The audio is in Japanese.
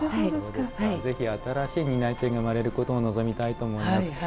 ぜひ新しい担い手が生まれることを望みたいと思います。